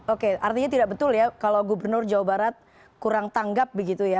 oke artinya tidak betul ya kalau gubernur jawa barat kurang tanggap begitu ya